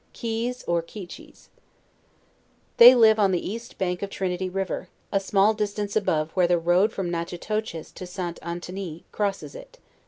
KEYS, OR KEYCIIIES. They live on the east bank of Trinity river, a small distance above where the road from Natchitoches to St. Antonie crosses it.